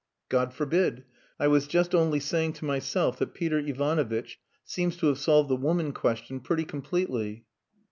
"God forbid. I was just only saying to myself that Peter Ivanovitch seems to have solved the woman question pretty completely."